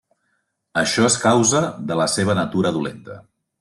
Això és causa de la seva natura dolenta.